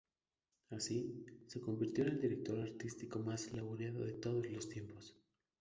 Así, se convirtió en el director artístico más laureado de todos los tiempos.